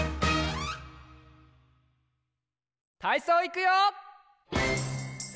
たいそういくよ！